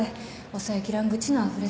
抑えきらん愚痴のあふれそうで。